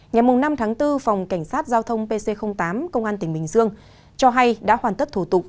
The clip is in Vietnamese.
ngày năm tháng bốn phòng cảnh sát giao thông pc tám công an tỉnh bình dương cho hay đã hoàn tất thủ tục